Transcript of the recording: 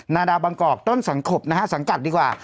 นาดาบางกอกต้นสังขบนะฮะสังกัดดีกว่า